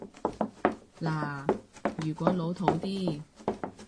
嗱，如果老套啲